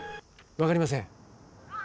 分かりません。